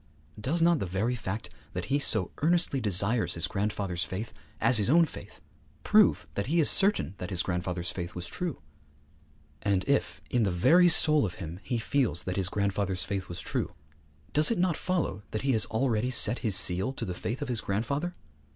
Does not the very fact that he so earnestly desires his grandfather's faith as his own faith prove that he is certain that his grandfather's faith was true? And if, in the very soul of him, he feels that his grandfather's faith was true, does it not follow that he has already set his seal to the faith of his grandfather?